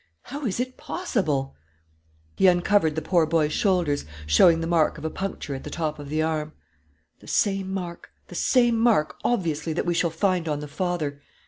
How is it possible?" He uncovered the poor boy's shoulders, showing the mark of a puncture at the top of the arm. "The same mark the same mark obviously that we shall find on the father....